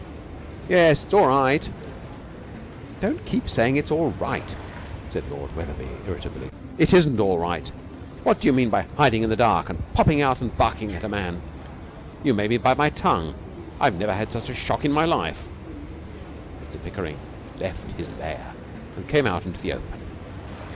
'Yes. It's all right.' 'Don't keep saying it's all right,' said Lord Wetherby, irritably. 'It isn't all right. What do you mean by hiding in the dark and popping out and barking at a man? You made me bite my tongue. I've never had such a shock in my life.' Mr Pickering left his lair and came out into the open.